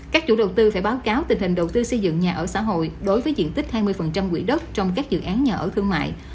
các chủ đầu tư phải báo cáo tình hình đầu tư xây dựng nhà ở xã hội đối với diện tích hai mươi quỹ đất trong các dự án nhà ở thương mại